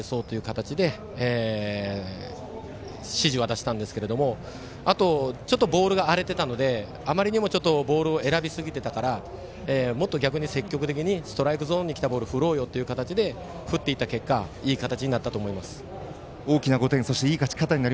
１点取られたあとだったので必ず１点取り返そうという形で指示は出したんですけれどもちょっとボールが荒れてたのであまりにもボールを選びすぎてたからもっと積極的にストライクゾーンにきたボール振ろうよということで振っていった結果いい形になったと思います。